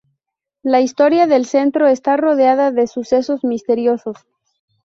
La historia del centro está rodeada de sucesos misteriosos.